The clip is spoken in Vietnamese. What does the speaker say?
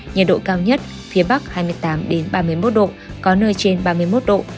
nhiệt độ cao nhất phía bắc hai mươi tám ba mươi một độ có nơi trên ba mươi một độ